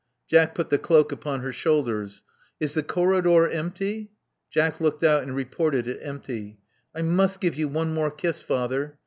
Jack put the cloak upon her shoulders. Is the corridor empty?" Jack looked out and reported it empty. I must give you one more kiss, father."